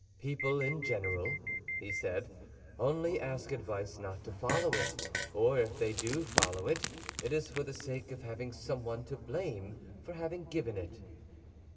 "People, in general," he said, "only ask advice not to follow it; or if they do follow it, it is for the sake of having someone to blame for having given it."